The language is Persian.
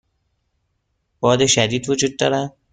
باد شدید وجود دارد.